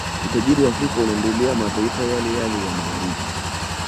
Utajiri wa Afrika unaendeleza mataifa yale yale ya magharibi